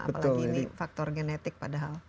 apalagi ini faktor genetik padahal